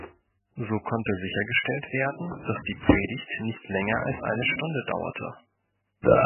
So konnte sichergestellt werden, dass die Predigt nicht länger als eine Stunde dauerte.